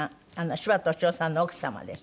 柴俊夫さんの奥様ですね。